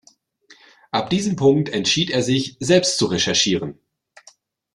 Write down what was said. Ab diesem Punkt entschied er sich selbst zu recherchieren.